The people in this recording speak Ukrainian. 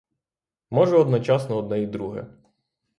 Може, одночасно одне й друге.